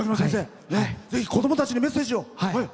ぜひ、子供たちにメッセージを。